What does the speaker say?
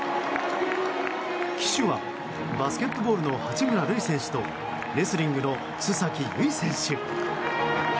旗手はバスケットボールの八村塁選手とレスリングの須崎優衣選手。